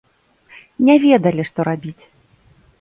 Не ведалі, што рабіць.